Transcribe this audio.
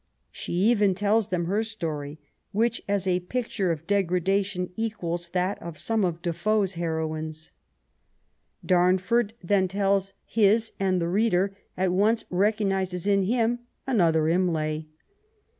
She even tells them her story, which, as a picture of degradation, equals that of some of Defoe's heroines. Darnford •7 160 MARY W0LL8T0NECRAFT GODWIN. then tells his^ and the reader at once recognizes in him another Imlay.